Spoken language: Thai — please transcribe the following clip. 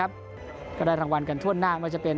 และได้รางวัลท่วนหน้ามันจะเป็น